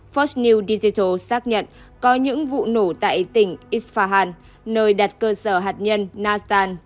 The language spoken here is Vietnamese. fox news digital xác nhận có những vụ nổ tại tỉnh isfahan nơi đặt cơ sở hạt nhân nasan